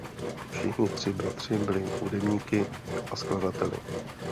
Všichni tři bratři byli hudebníky a skladateli.